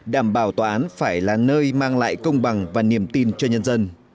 đảm bảo tòa án phải là nơi mang lại công bằng và niềm tin cho nhân dân